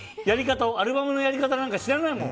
アルバムのやり方なんか知らないもん。